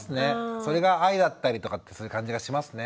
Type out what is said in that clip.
それが愛だったりとかってそういう感じがしますね。